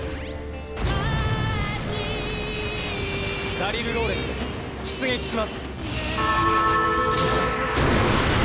ダリル・ローレンツ出撃します。